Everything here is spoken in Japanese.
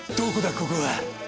ここは。